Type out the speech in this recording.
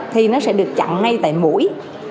thì nó sẽ được chặn ngay tại mũi